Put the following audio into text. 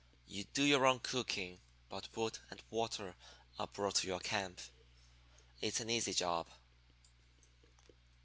You do your own cooking, but wood and water are brought to your camp. It's an easy job.'